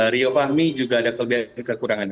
ryo fahmi juga ada kelebihan dan kekurangannya